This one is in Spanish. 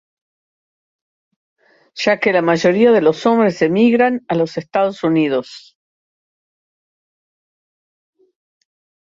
Ya que la mayoría de los hombres emigran a los Estados Unidos.